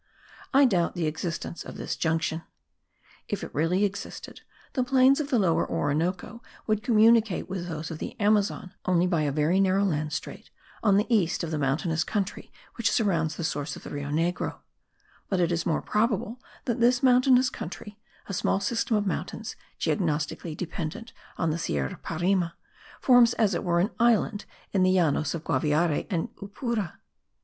I doubt the existence of this junction. If it really existed, the plains of the Lower Orinoco would communicate with those of the Amazon only by a very narrow land strait, on the east of the mountainous country which surrounds the source of the Rio Negro: but it is more probable that this mountainous country (a small system of mountains, geognostically dependent on the Sierra Parime) forms as it were an island in the Llanos of Guaviare and Yupura.